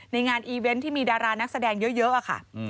งานอีเวนต์ที่มีดารานักแสดงเยอะค่ะ